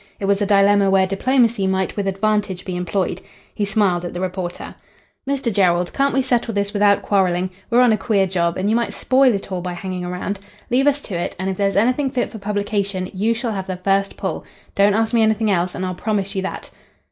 It was a dilemma where diplomacy might with advantage be employed. He smiled at the reporter. "Mr. Jerrold, can't we settle this without quarrelling? We're on a queer job, and you might spoil it all by hanging around. Leave us to it, and if there's anything fit for publication you shall have first pull. Don't ask me anything else and I'll promise you that."